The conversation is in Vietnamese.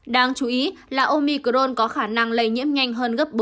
đáng chú ý là omicron có khả năng lây nhiễm cao hơn nhiều so với delta